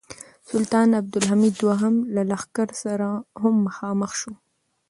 د سلطان عبدالحمید دوهم له لښکر سره هم مخامخ شو.